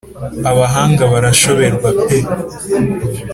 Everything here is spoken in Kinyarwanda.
abahanga barashoberwa pee